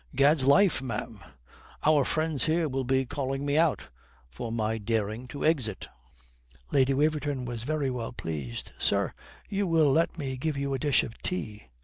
Gad's life, ma'am, our friends here will be calling me out for my daring to exist." Lady Waverton was very well pleased. "Sir, you will let me give you a dish of tea.